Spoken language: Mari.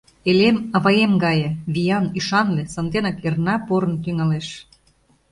Элем аваем гае: виян, ӱшанле, санденак эрна порын тӱҥалеш.